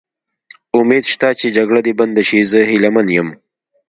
امید شته چې جګړه دې بنده شي، زه هیله من یم.